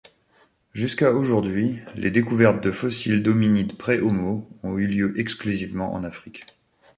Jusqu'à aujourd'hui, les découvertes de fossiles d'hominines pré-Homo ont eu lieu exclusivement en Afrique.